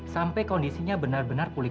sampai kondisinya benar benar pulih